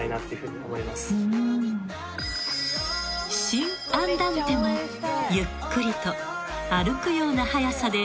［新アンダンテもゆっくりと歩くような速さで］